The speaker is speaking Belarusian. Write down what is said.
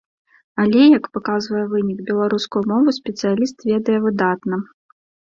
Але, як паказвае вынік, беларускую мову спецыяліст ведае выдатна.